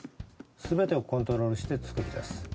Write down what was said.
全てをコントロールして作り出す。